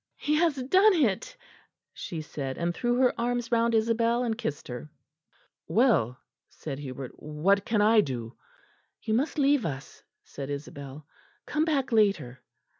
"He has done it," she said, and threw her arms round Isabel and kissed her. "Well," said Hubert, "what can I do?" "You must leave us," said Isabel; "come back later."